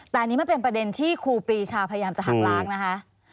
แต่อันนี้มันเป็นประเด็นที่ครูปรีชาพยายามจะหักล้างนะคะ